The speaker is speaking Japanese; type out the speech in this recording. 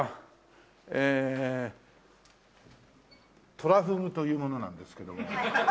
トラフグという者なんですけども。